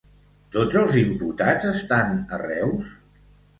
Tots els imputats estan a Reus?